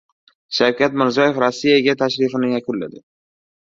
Shavkat Mirziyoyev Rossiyaga tashrifini yakunladi